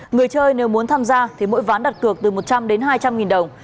người chơi nếu muốn tham gia thì mỗi ván đặt cược từ một trăm linh đến hai trăm linh nghìn đồng